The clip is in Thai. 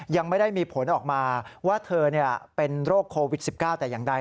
ยังไม่ได้มีผลออกมาว่าเธอเป็นโรคโควิด๑๙แต่อย่างใด